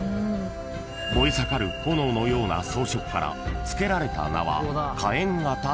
［燃え盛る炎のような装飾から付けられた名は］